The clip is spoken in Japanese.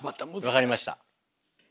分かりました。